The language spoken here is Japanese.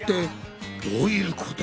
どういうこと？